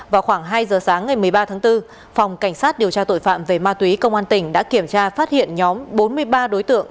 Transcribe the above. vào khoảng hai giờ sáng ngày một mươi ba tháng bốn phòng cảnh sát điều tra tội phạm về ma túy công an tỉnh đã kiểm tra phát hiện nhóm bốn mươi ba đối tượng